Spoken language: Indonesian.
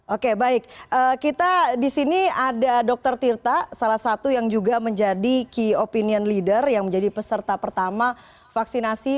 oke baik kita di sini ada dr tirta salah satu yang juga menjadi key opinion leader yang menjadi peserta pertama vaksinasi